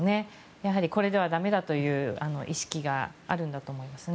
やはり、これでは駄目だという意識があるんだと思います。